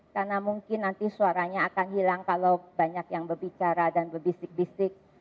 karena mungkin nanti suaranya akan hilang kalau banyak yang berbicara dan berbisik bisik